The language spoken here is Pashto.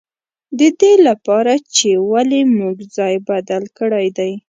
د دې له پاره چې ولې موږ ځای بدل کړی دی.